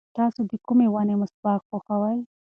تاسو د کومې ونې مسواک خوښوئ؟